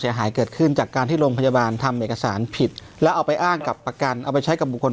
ใช่ไหมครับอันนั้นอันนั้นอื่นอีกเรื่องหนึ่งเนาะเรียกก็